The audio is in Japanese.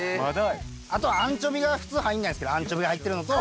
あとはアンチョビが普通入らないですけどアンチョビが入ってるのと。